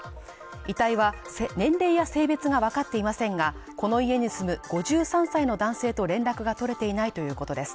遺体は年齢や性別がわかっていませんが、この家に住む５３歳の男性と連絡が取れていないということです。